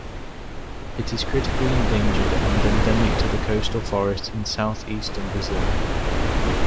It is critically endangered and endemic to coastal forests in southeastern Brazil.